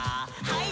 はい。